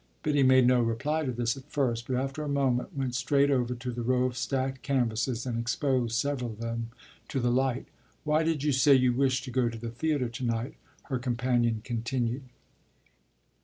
Biddy made no reply to this at first, but after a moment went straight over to the row of stacked canvases and exposed several of them to the light. "Why did you say you wished to go to the theatre to night?" her companion continued.